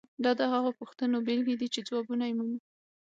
دا د هغو پوښتنو بیلګې دي چې ځوابونه یې مومو.